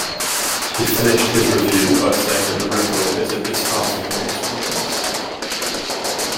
He finished his review by saying that the record is a disheartening experience.